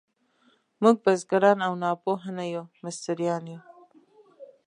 موږ بزګران او ناپوه نه یو، مستریان یو.